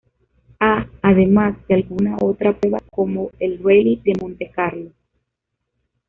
A, además de alguna otra prueba como el Rally de Montecarlo.